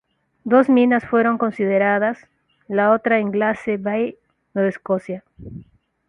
Dos minas fueron consideradas, la otra en Glace Bay, Nueva Escocia.